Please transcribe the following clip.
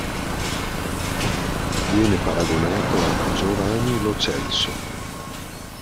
Viene paragonato a Giovani Lo Celso.